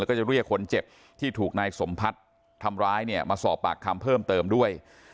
แล้วก็จะเรียกคนเจ็บที่ถูกนายสมพัฒน์ทำร้ายเนี่ยมาสอบปากคำเพิ่มเติมด้วย